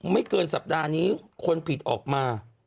ไม่เกินสัปดาห์นี้คนผิดออกมา